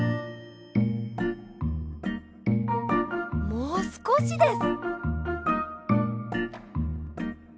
もうすこしです。